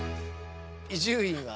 伊集院は？